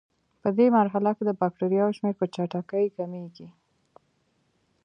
پدې مرحله کې د بکټریاوو شمېر په چټکۍ کمیږي.